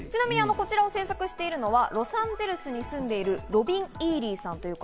こちらを制作してるのはロサンゼルスに住んでいるロビン・イーリーさん。